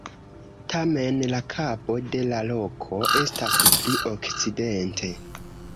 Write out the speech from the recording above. Tamen, la Kabo de la Roko estas pli okcidente.